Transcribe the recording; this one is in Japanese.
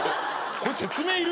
これ説明いる？